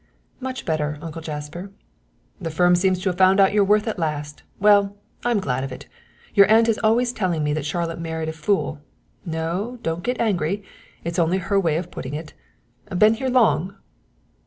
"Much better, uncle Jasper." "The firm seems to have found out your worth at last. Well, I'm glad of it. Your aunt is always telling me that Charlotte married a fool no, don't get angry, that's only her way of putting it. Been here long?"